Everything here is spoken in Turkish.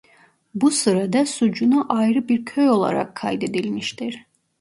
Bu sırada Sucuna ayrı bir köy olarak kaydedilmiştir.